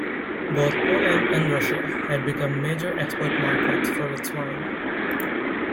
Both Poland and Russia had become major export markets for its wine.